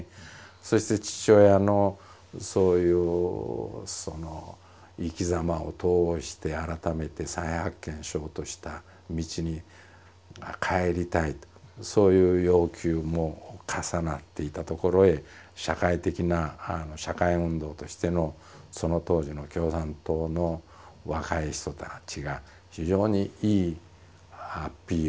そして父親のそういう生きざまを通して改めて再発見しようとした道に帰りたいとそういう要求も重なっていたところへ社会的な社会運動としてのその当時の共産党の若い人たちが非常にいいアピールをしていたと。